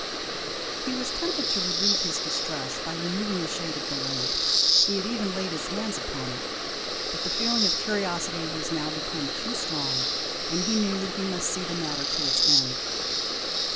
He was tempted to relieve his distress by removing the shade of the lamp; he had even laid his hand upon it, but the feeling of curiosity was now become too strong, and he knew that he must see the matter to its end.